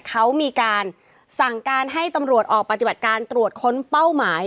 เขามีการสั่งการให้ตำรวจออกปฏิบัติการตรวจค้นเป้าหมาย